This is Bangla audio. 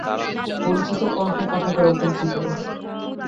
পরিচিত কণ্ঠ পাঠকের অপরিচিত নহে।